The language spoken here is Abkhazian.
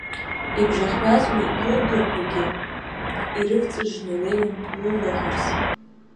Ибжахҩаз уи лыблақәагьы ирывҵыжжны илеиуан лылаӷырз.